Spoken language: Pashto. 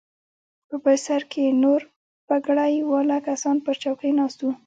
په بل سر کښې نور پګړۍ والا کسان پر چوکيو ناست وو.